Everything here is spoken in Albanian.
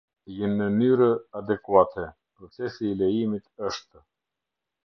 Jnënyrë adekuate: Procesi i lejimit është.